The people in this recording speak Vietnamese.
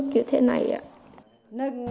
kiểu thế này ạ